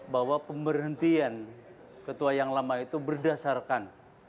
bahwa pemberhentian ketua yang lama itu berdasarkan